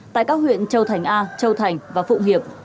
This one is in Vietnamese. tại các huyện châu thành a châu thành và phụng hiệp